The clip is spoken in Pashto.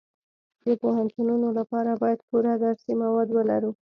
د پوهنتونونو لپاره باید پوره درسي مواد ولرو